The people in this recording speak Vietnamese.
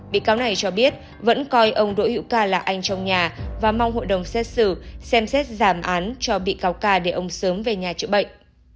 bị cáo này cho biết vẫn coi ông đỗ hữu ca là anh trong nhà và mong hội đồng xét xử xem xét giảm án cho bị cáo ca để ông sớm về nhà chữa bệnh